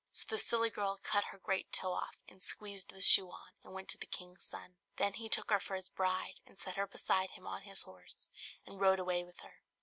So the silly girl cut her great toe off, and squeezed the shoe on, and went to the king's son. Then he took her for his bride, and set her beside him on his horse and rode away with her.